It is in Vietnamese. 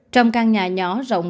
trong căn nhà nhỏ rộng